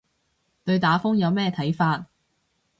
對打風有咩睇法